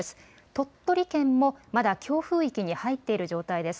鳥取県もまだ強風域に入っている状態です。